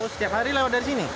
setiap hari lewat dari sini